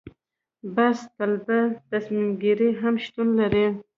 بحث طلبه تصمیم ګیري هم شتون لري.